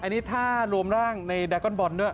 อันนี้ถ้ารวมร่างในแดกอนบอลด้วย